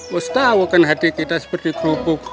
mesti tahu kan hati kita seperti kerupuk